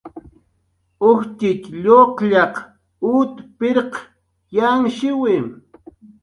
Ujtxitx lluqllaq ut pirq yanhshiwi